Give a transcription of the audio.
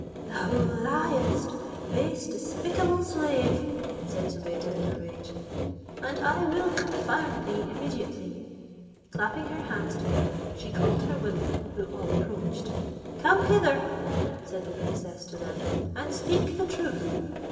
"Thou liest, base despicable slave," said Zobeide in a rage, "and I will confound thee immediately." Clapping her hands together, she called her women, who all approached. "Come hither," said the princess to them, "and speak the truth.